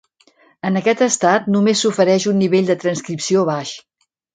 En aquest estat, només s'ofereix un nivell de transcripció baix.